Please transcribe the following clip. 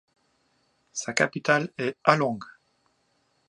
Sa capitale est Halong.